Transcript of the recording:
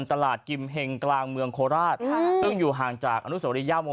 ตลาดกิมเฮงกลางเมืองโคราชซึ่งอยู่ห่างจากอนุสวรียโม